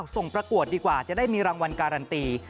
ประกวดดีกว่าจะได้มีรางวัลการันตี